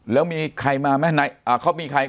แล้วมีใครมามีใคร